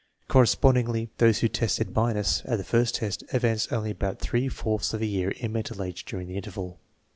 Correspondingly, those who tested minus at the first test advanced only about three fourths of a year in mental age during the interval.